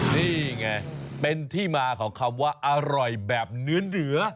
นี่ไงเป็นที่มาของคำว่าอร่อยแบบเนื้อ